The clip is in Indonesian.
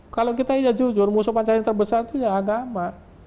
kalau kita iya jujur musuh pancasila yang terbesar itu ya agama